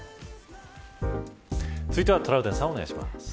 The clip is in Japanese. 続いてはトラウデンさんお願いします。